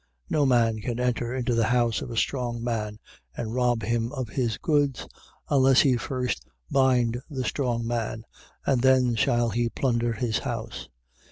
3:27. No man can enter into the house of a strong man and rob him of his goods, unless he first bind the strong man, and then shall he plunder his house.